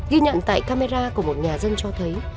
ghi nhận tại camera của một nhà dân cho thấy